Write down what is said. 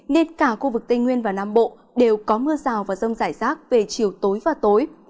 nên cả khu vực tây nguyên và nam bộ đều có mưa rào và rông rải rác về chiều tối và tối